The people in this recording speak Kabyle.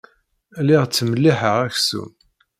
Lliɣ ttmelliḥeɣ aksum.